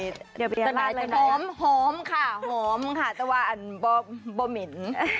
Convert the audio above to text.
ตลาดหอมค่ะแต่ว่าไม่มีหมิน